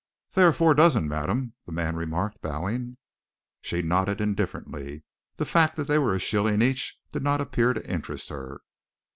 "There are four dozen, madam," the man remarked, bowing. She nodded indifferently. The fact that they were a shilling each did not appear to interest her.